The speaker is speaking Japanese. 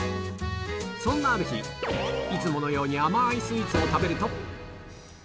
そんなある日、いつものように甘いスイーツを食べると。